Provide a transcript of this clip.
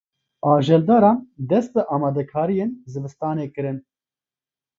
Ajeldaran dest bi amadekariyên zivistanê kirin.